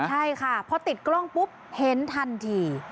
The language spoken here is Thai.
ใช่ค่ะพอติดกล้องปุ๊บเห็นทันที